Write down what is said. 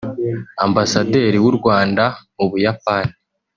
Ambasaderi w’u Rwanda mu Buyapani